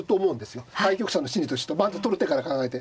対局者の心理としてはまず取る手から考えて。